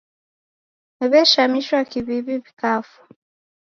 W'eshamishwa kiw'iw'i w'ikafwa.